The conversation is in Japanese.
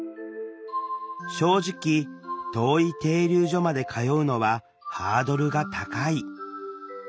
正直遠い停留所まで通うのはハードルが高い。